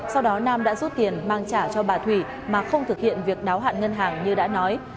sau đó nam đã rút tiền mang trả cho bà thủy mà không thực hiện việc đáo hạn ngân hàng như đã nói